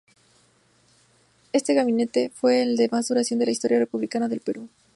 Este gabinete fue el de más duración de la historia republicana del Perú.